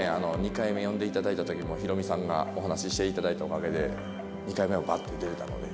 ２回目呼んで頂いた時もヒロミさんがお話しして頂いたおかげで２回目もバッて出れたので。